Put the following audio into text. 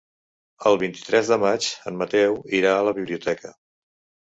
El vint-i-tres de maig en Mateu irà a la biblioteca.